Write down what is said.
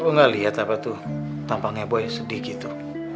lo nggak lihat apa tuh tampangnya boy sedih gitu